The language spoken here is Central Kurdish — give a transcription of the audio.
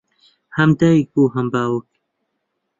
ھەم دایک بوو ھەم باوک